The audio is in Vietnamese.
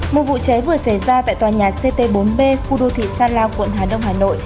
một vụ cháy vừa xảy ra tại tòa nhà ct bốn b khu đô thị sa la quận hà đông hà nội